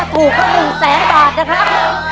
ถูกก็๑แสนบาทนะครับ